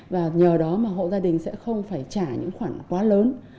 và nhờ đó mà hộ gia đình sẽ không phải trả những khoản quá lớn